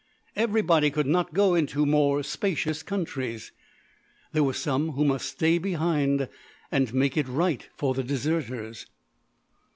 Everybody could not go into more spacious countries! There were some who must stay behind and make it right for the deserters.